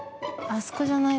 あそこじゃない？